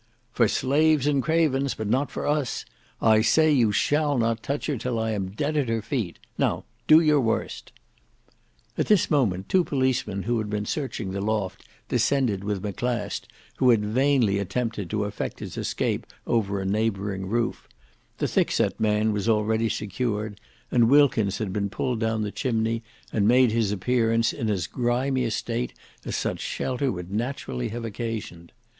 "For slaves and cravens, but not for us. I say you shall not touch her till I am dead at her feet. Now, do your worst." At this moment two policemen who had been searching the loft descended with Maclast who had vainly attempted to effect his escape over a neighbouring roof; the thickset man was already secured; and Wilkins had been pulled down the chimney and made his appearance in as grimy a state as such a shelter would naturally have occasioned.